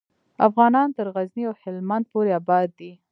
افغانان تر غزني او هیلمند پورې آباد دي.